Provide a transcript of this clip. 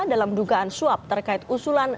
dalam dugaan suap terkait usulan